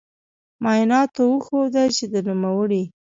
معایناتو وښوده چې د نوموړې